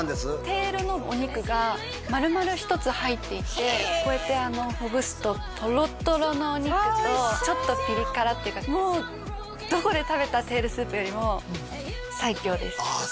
テールのお肉がまるまる一つ入っていてこうやってほぐすとトロットロのお肉とちょっとピリ辛っていうかもうどこで食べたテールスープよりも最強ですああ